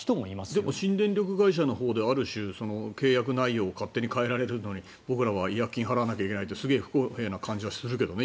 でも新電力会社のほうである種、契約内容を勝手に変えられるのに僕らは違約金を払わないといけないって不公平に感じるけどね。